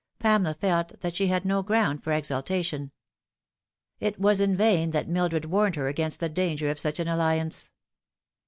Pamela felt that she had no ground for exultation. It was in vain that Mildred warned her against the danger of such an alliance.